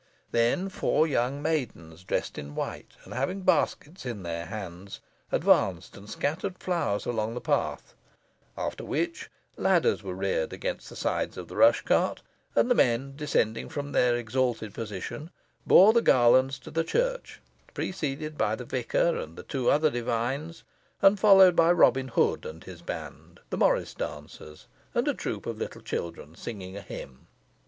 Then four young maidens dressed in white, and having baskets in their hands, advanced and scattered flowers along the path; after which ladders were reared against the sides of the rush cart, and the men, descending from their exalted position, bore the garlands to the church, preceded by the vicar and the two other divines, and followed by Robin Hood and his band, the morris dancers, and a troop of little children singing a hymn.